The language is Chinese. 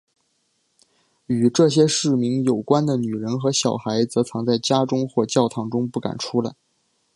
与这些市民有关系的女人和小孩则藏在家中或教堂中不敢出来。